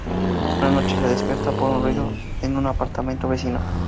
Una noche se despierta por un ruido en un apartamento vecino.